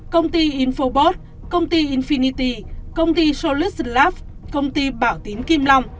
công ty infobot công ty infinity công ty solus love công ty bảo tín kim long